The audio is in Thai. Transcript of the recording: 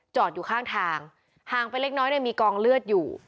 อยู่ข้างทางห่างไปเล็กน้อยเนี่ยมีกองเลือดอยู่